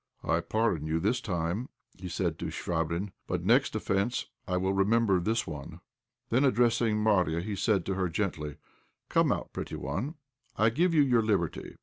"I pardon you this time," he said, to Chvabrine; "but next offence I will remember this one." Then, addressing Marya, he said to her, gently, "Come out, pretty one; I give you your liberty.